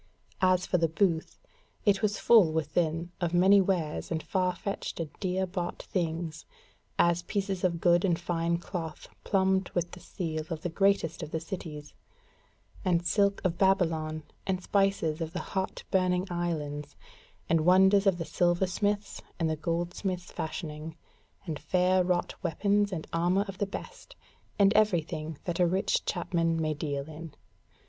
As for the booth, it was full within of many wares and far fetched and dear bought things; as pieces of good and fine cloth plumbed with the seal of the greatest of the cities; and silk of Babylon, and spices of the hot burning islands, and wonders of the silversmith's and the goldsmith's fashioning, and fair wrought weapons and armour of the best, and every thing that a rich chapman may deal in.